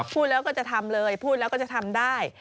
พูดแล้วก็จะทำเลยพูดแล้วก็จะทำได้